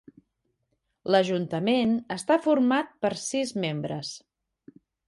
L'ajuntament està format per sis membres.